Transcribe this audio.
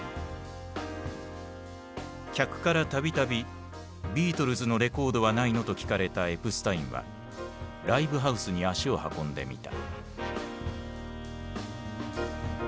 客からたびたび「ビートルズのレコードはないの？」と聞かれたエプスタインはライブハウスに足を運んでみた。